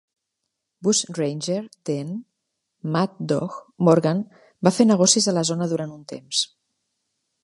Bushranger Dan "Mad Dog" Morgan va fer negocis a la zona durant un temps.